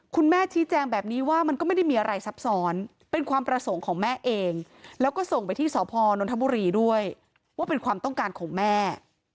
คุณแม่ชี้แจงแบบนี้ว่ามันก็ไม่ได้มีอะไรซับซ้อนเป็นความประสงค์ของแม่เองแล้วก็ส่งไปที่สพนนทบุรีด้วยว่าเป็นความต้องการของแม่